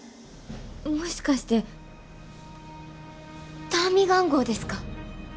もしかしてターミガン号ですか？